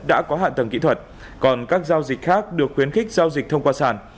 đã có hạ tầng kỹ thuật còn các giao dịch khác được khuyến khích giao dịch thông qua sản